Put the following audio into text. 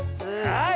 はい！